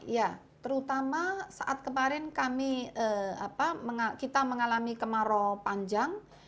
ya terutama saat kemarin kami mengalami kemarau panjang